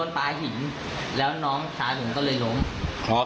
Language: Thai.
ปลาหินแล้วน้องชายผมก็เลยล้มครับ